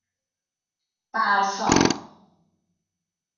بَرسام